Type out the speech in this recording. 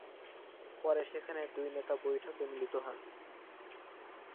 পরে সেখানে এই দুই নেতা বৈঠকে মিলিত হন।